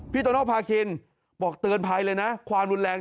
โตโนภาคินบอกเตือนภัยเลยนะความรุนแรง